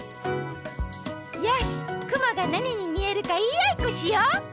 よしくもがなににみえるかいいあいっこしよう！